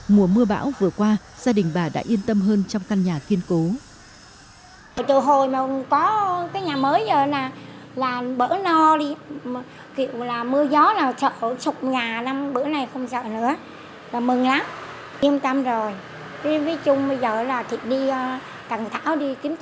mùa mưa bão vừa qua gia đình bà đã yên tâm hơn trong căn nhà kiên cố